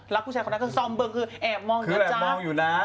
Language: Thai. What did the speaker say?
รักผู้ชายคนนั้นก็ซอมเบิ้งคือแอบมองอยู่นะจ๊ะ